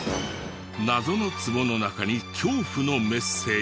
謎のツボの中に恐怖のメッセージが。